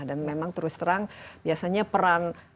dan memang terus terang biasanya perang sosok perempuan